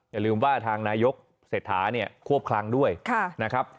อย่าลืมว่าทางนายกเศรษฐาเนี่ยควบคลังด้วยนะครับ